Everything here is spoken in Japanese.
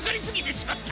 しまった！